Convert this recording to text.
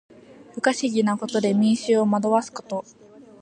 不可思議なことで民衆を惑わすこと。